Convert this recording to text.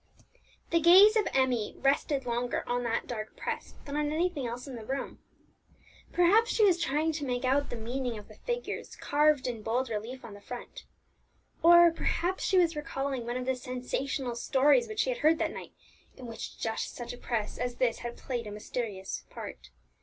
The gaze of Emmie rested longer on that dark press than on anything else in the room. Perhaps she was trying to make out the meaning of the figures carved in bold relief on the front; or, perhaps, she was recalling one of the sensational stories which she had heard that night, in which just such a press as this had played a mysterious part.